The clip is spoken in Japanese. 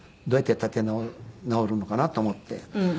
どうやって立ち直るのかなと思って。